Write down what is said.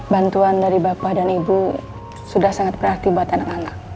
bantuan dari bapak dan ibu sudah sangat berarti buat anak anak